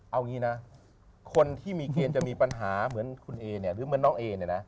เอางี้นะคนที่มีเกณฑ์จะมีปัญหาเหมือนคุณเอเนี่ยหรือเหมือนน้องเอเนี่ยนะ